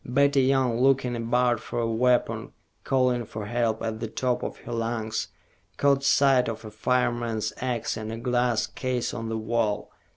Betty Young, looking about for a weapon, calling for help at the top of her lungs, caught sight of a fireman's ax in a glass case on the wall.